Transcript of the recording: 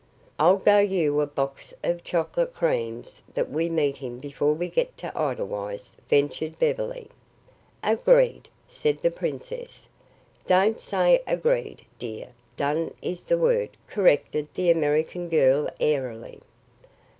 "I'll go you a box of chocolate creams that we meet him before we get to Edelweiss," ventured Beverly. "Agreed," said the princess. "Don't say 'agreed,' dear. 'Done' is the word," corrected the American girl airily.